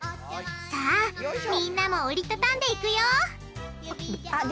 さあみんなも折り畳んでいくよ！